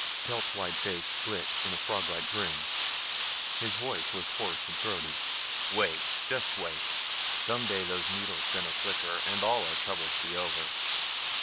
Telt's wide face split in a froglike grin; his voice was hoarse and throaty. "Wait. Just wait! Someday those needles gonna flicker and all our troubles be over.